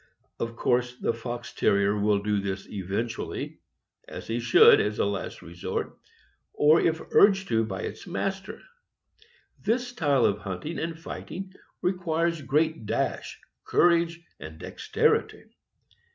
Of course, the Fox Terrier will do this eventually, as he should as a last resort, or if urged to it by his master. This style of hunting and fighting requires great dash, courage, and dexterity.